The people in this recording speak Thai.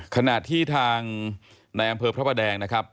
ขณะที่ทางในอำเภอพระพแลงครับ